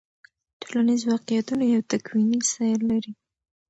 ټولنیز واقعیتونه یو تکویني سیر لري.